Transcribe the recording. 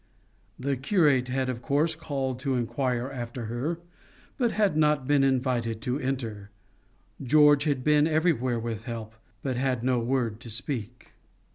The curate had of course called to inquire after her, but had not been invited to enter. George had been everywhere with help, but had no word to speak.